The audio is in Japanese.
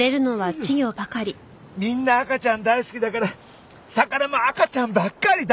みんな赤ちゃん大好きだから魚も赤ちゃんばっかりだ！